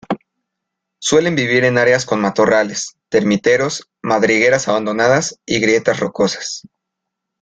Suelen vivir en áreas con matorrales, termiteros, madrigueras abandonadas y grietas rocosas.